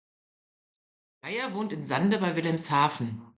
Geier wohnt in Sande bei Wilhelmshaven.